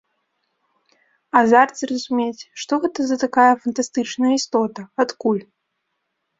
Азарт зразумець, што гэта за такая фанатычная істота, адкуль?